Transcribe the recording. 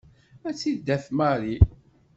Ad tt-id-taf Mary.